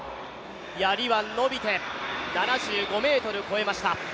やりは伸びて７５ｍを越えました。